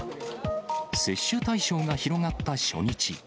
接種対象が広がった初日。